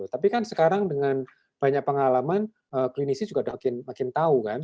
tapi kan sekarang dengan banyak pengalaman klinisi juga udah makin tahu kan